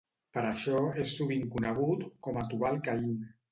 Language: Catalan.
Per això és sovint conegut com a Tubal-Caín.